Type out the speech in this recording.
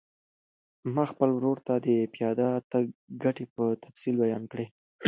ما خپل ورور ته د پیاده تګ ګټې په تفصیل بیان کړې.